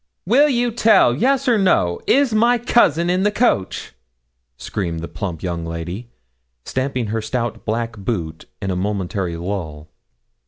'Will you tell yes or no is my cousin in the coach?' screamed the plump young lady, stamping her stout black boot, in a momentary lull.